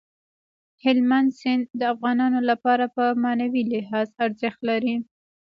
هلمند سیند د افغانانو لپاره په معنوي لحاظ ارزښت لري.